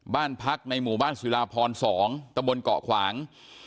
บ้านพักในหมู่บ้านศิลาพร๒ตะบนเกาะขวาง